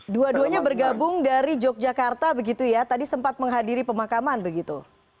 dua duanya bergabung dari yogyakarta begitu ya tadi sempat menghadiri pemakaman begitu